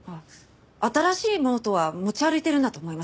新しいノートは持ち歩いてるんだと思います。